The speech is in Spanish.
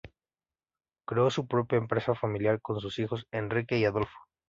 Creó su propia empresa familiar con sus hijos Enrique y Adolfo.